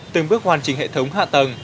từng bước hoàn chỉnh hệ thống hạ tầng